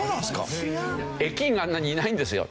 駅員があんなにいないんですよ。